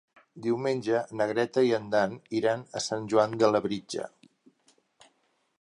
Diumenge na Greta i en Dan iran a Sant Joan de Labritja.